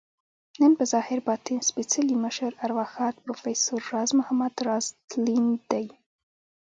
نن په ظاهر ، باطن سپیڅلي مشر، ارواښاد پروفیسر راز محمد راز تلين دی